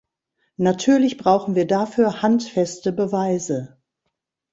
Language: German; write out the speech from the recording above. Natürlich brauchen wir dafür handfeste Beweise.